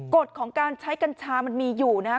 กฎของการใช้กัญชามันมีอยู่นะฮะ